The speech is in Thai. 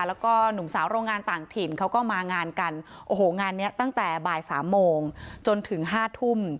แล้วก็หนุ่มสาวโรงงานต่างถิ่นเขาก็มางานกันโอ้โหงานเนี้ยตั้งแต่บ่ายสามโมงจนถึงห้าทุ่ม